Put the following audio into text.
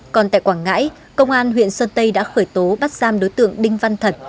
còn tại quảng ngãi công an huyện sơn tây đã khởi tố bắt giam đối tượng đinh văn thật